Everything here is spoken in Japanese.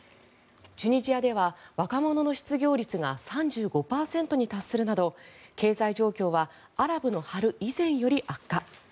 チュニジアでは若者の失業率が３５％に達するなど経済状況はアラブの春以前より悪化。